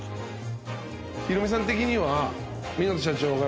ヒロミさん的には港社長が。